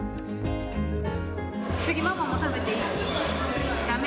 次、ママも食べていい？だめ？